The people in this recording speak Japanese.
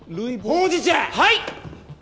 はい！